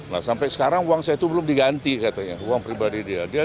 nah sampai sekarang uang saya itu belum diganti katanya uang pribadi dia